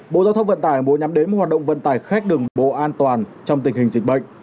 bộ giao thông vận tải muốn nhắm đến một hoạt động vận tải khách đường bộ an toàn trong tình hình dịch bệnh